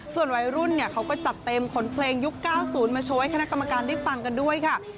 ส่วนวัยรุ่นเขาก็จัดเต็มขนเพลงยุค๙๐มาโชว์ให้คณะกรรมการได้ฟังกันด้วยค่ะ